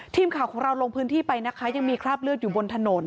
ทีมข่าวของเราลงพื้นที่ไปนะคะยังมีคราบเลือดอยู่บนถนน